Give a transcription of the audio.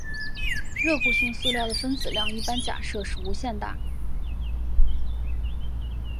热固性塑料的分子量一般假设是无限大。